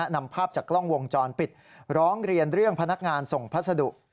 นำภาพจากกล้องวงจรปิดร้องเรียนเรื่องพนักงานส่งพัสดุ